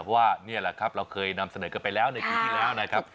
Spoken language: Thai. ว่านี่แหละครับเราเคยนำเสนอกันไปแล้วในปีที่แล้วนะครับ